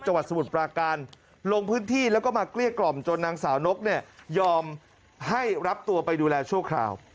สมุทรปราการลงพื้นที่แล้วก็มาเกลี้ยกล่อมจนนางสาวนกเนี่ยยอมให้รับตัวไปดูแลชั่วคราว